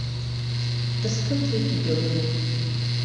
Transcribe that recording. دەستکەوتێکی گەورەیە.